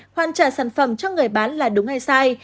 hoàn trả sản phẩm cho người bán là đúng hay sai